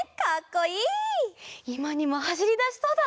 いまにもはしりだしそうだね！